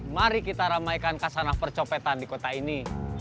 mari kita ramaikan kasana percopetan di kota ini